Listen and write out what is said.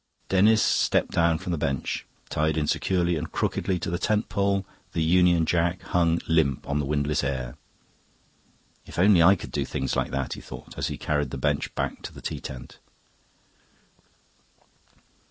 Denis stepped down from the bench; tied insecurely and crookedly to the tentpole, the Union Jack hung limp on the windless air. "If only I could do things like that!" he thought, as he carried the bench back to the tea tent.